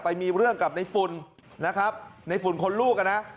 ไปมีเรื่องกับในฝุ่นนะครับในฝุ่นคนลูกอ่ะนะ